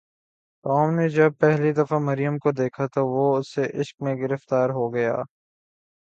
Tom نے جب پہلی دفعہ مریم کو دیکھا تو وہ اس کے عشق میں گرفتار ہو گیا۔